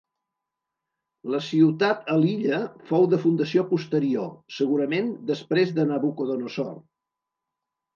La ciutat a l'illa fou de fundació posterior, segurament després de Nabucodonosor.